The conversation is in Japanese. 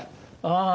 ああ